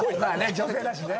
女性だしね。